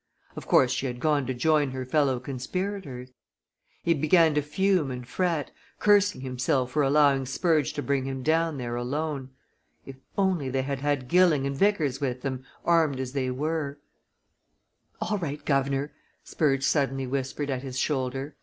Of course, she had gone to join her fellow conspirators. He began to fume and fret, cursing himself for allowing Spurge to bring him down there alone if only they had had Gilling and Vickers with them, armed as they were "All right, guv'nor!" Spurge suddenly whispered at his shoulder.